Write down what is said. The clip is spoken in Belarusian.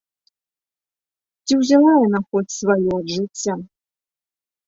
Ці ўзяла яна хоць сваё ад жыцця?